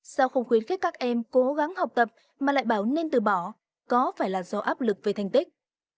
sao không khuyến khích các em cố gắng học tập mà lại bảo nên từ bỏ có phải là do áp lực về thành tích